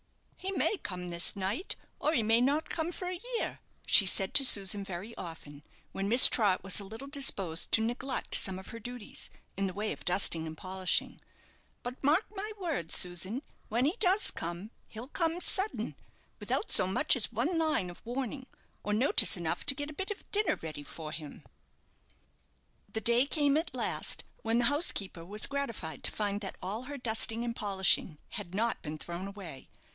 "He may come this night, or he may not come for a year," she said to Susan very often, when Miss Trott was a little disposed to neglect some of her duties, in the way of dusting and polishing; "but mark my words, Susan, when he does come, he'll come sudden, without so much as one line of warning, or notice enough to get a bit of dinner ready for him." The day came at last when the housekeeper was gratified to find that all her dusting and polishing had not been thrown away.